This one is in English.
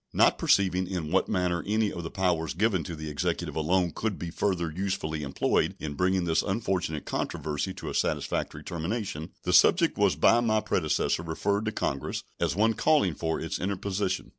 Not perceiving in what manner any of the powers given to the Executive alone could be further usefully employed in bringing this unfortunate controversy to a satisfactory termination, the subject was by my predecessor referred to Congress as one calling for its interposition.